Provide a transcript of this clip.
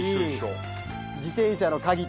自転車の鍵とか。